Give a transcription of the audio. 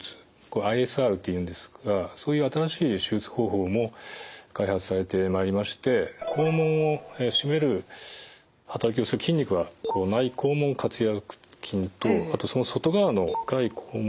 ＩＳＲっていうんですがそういう新しい手術方法も開発されてまいりまして肛門を締める働きをする筋肉は内肛門括約筋とあとその外側の外肛門